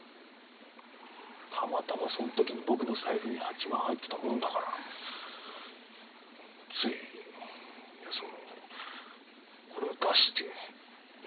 たまたまその時に僕の財布に８万入ってたもんだからついそのこれを出してしまったんだ。